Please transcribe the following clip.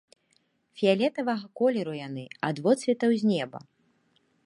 Фіялетавага колеру яны, ад водсветаў з неба.